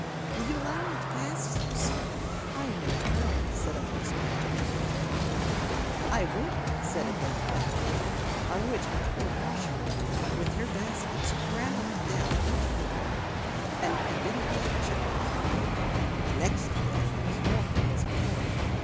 "Will you allow me to pass you, sir? I am in a hurry," said a voice behind him one day. "I won't," said Abinadab; on which a poor washerwoman, with her basket, scrambled down into the road, and Abinadab chuckled. Next day he was walking as before.